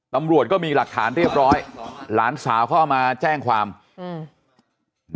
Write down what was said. ตำรวจก็มีหลักฐานเรียบร้อยหลานสาวเขาเอามาแจ้งความอืม